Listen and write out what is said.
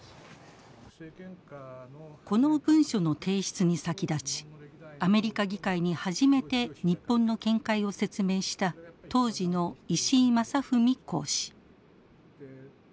この文書の提出に先立ちアメリカ議会に初めて日本の見解を説明した当時の石井正文公使。